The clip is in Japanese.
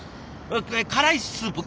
辛いスープ？